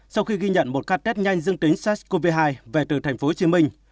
sau khi ghi nhận một các test nhanh dương tính sars cov hai về từ tp hcm